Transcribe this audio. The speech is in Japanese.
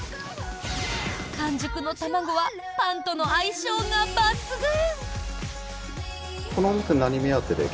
半熟の卵はパンとの相性が抜群！